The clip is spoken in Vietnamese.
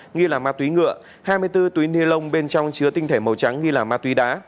nghi là ma túy ngựa hai mươi bốn túi ni lông bên trong chứa tinh thể màu trắng nghi là ma túy đá